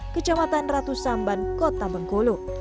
kecamatan ratu samban kota bengkulu